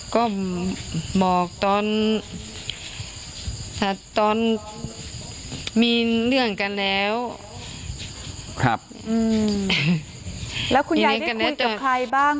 ก็บอกตอนตอนมีเรื่องกันแล้วครับอืมแล้วคุณยายพูดกับใครบ้าง